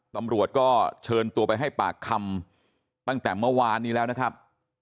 ตำรวจก็เชิญตัวไปให้ปากคำตั้งแต่เมื่อวานนี้แล้วนะครับ